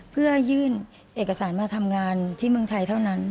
เพื่อยื่นเอกสารมาทำงานที่เมืองไทยเท่านั้น